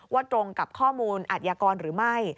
ว่าตรงกับข้อมูลอัยกรณ์หรือไม่